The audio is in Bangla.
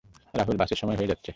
রাহুল, বাসের সময় হয়ে যাচ্ছে।